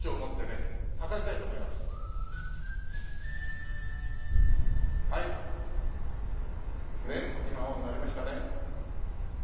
ねっ今青になりましたね。